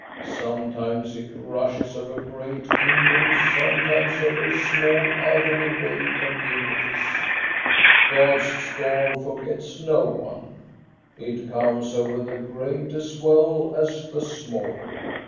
Sometimes it rushes over great king doms, sometimes over small out of the way communi ties. God's storm forgets no one. It comes over the great as well as the small.